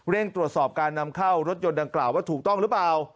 ตรวจสอบการนำเข้ารถยนต์ดังกล่าวว่าถูกต้องหรือเปล่า